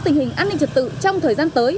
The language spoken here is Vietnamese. tình hình an ninh trật tự trong thời gian tới